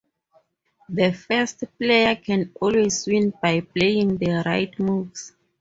The first player can always win by playing the right moves.